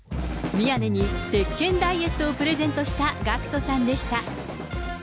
宮根に鉄拳ダイエットをプレゼントしたＧＡＣＫＴさんでした。